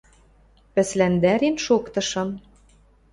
пӹслӓндӓрен шоктышым.